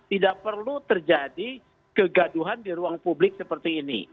tidak perlu terjadi kegaduhan di ruang publik seperti ini